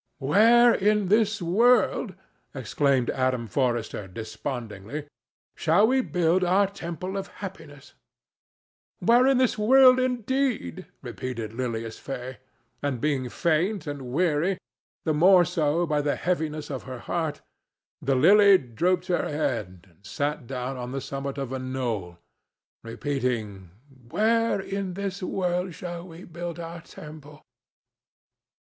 "Where in this world," exclaimed Adam Forrester, despondingly, "shall we build our temple of happiness?" "Where in this world, indeed?" repeated Lilias Fay; and, being faint and weary—the more so by the heaviness of her heart—the Lily drooped her head and sat down on the summit of a knoll, repeating, "Where in this world shall we build our temple?"